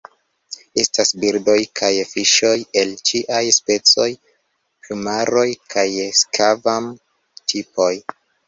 Estas birdoj kaj fiŝoj el ĉiaj specoj, plumaroj kaj skvam-tipoj.